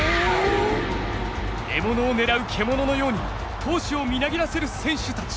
獲物を狙う獣のように闘志をみなぎらせる選手たち。